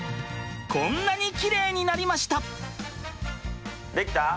こんなにキレイになりました！